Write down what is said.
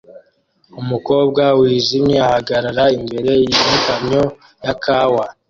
Umukobwa wijimye ahagarara imbere yikamyo ya Kawa